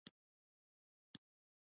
د شالیو د نیالګیو ترمنځ څومره فاصله وي؟